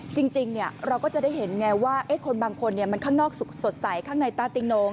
จริงเราก็จะได้เห็นไงว่าคนบางคนมันข้างนอกสดใสข้างในต้าติ้งโน้